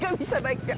tidak bisa naik ya